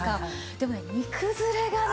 でもね煮崩れがね